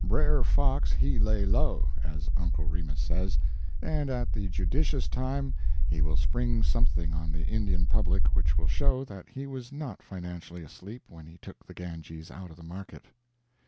"Brer fox he lay low," as Uncle Remus says; and at the judicious time he will spring something on the Indian public which will show that he was not financially asleep when he took the Ganges out of the market.